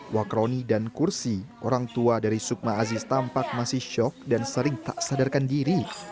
wakroni dan kursi orang tua dari sukma aziz tampak masih syok dan sering tak sadarkan diri